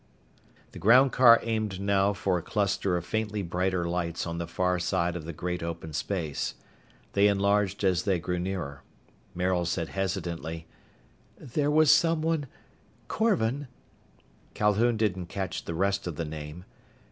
The groundcar aimed now for a cluster of faintly brighter lights on the far side of the great open space. They enlarged as they grew nearer. Maril said hesitantly, "There was someone, Korvan " Calhoun didn't catch the rest of the name.